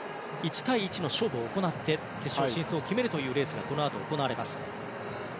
１対１の勝負を行って決勝進出を決めるというレースがこのあと行われます。